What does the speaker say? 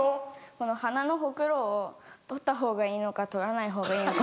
この鼻のほくろを取ったほうがいいのか取らないほうがいいのか。